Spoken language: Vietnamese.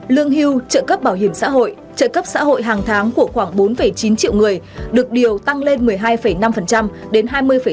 lương hưu trợ cấp bảo hiểm xã hội trợ cấp xã hội hàng tháng của khoảng bốn chín triệu người được điều tăng lên một mươi hai năm đến hai mươi năm